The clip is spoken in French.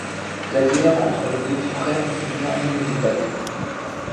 La guerre entre les deux frères devient inévitable.